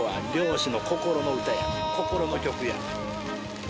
心の曲や。